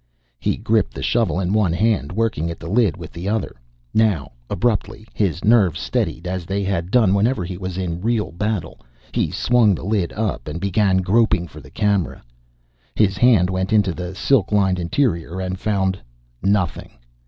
He gripped the shovel in one hand, working at the lid with the other. Now, abruptly, his nerves steadied, as they had done whenever he was in real battle. He swung the lid up and began groping for the camera. His hand went into the silk lined interior and found nothing!